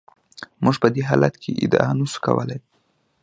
موږ په دې حالت کې ادعا نشو کولای.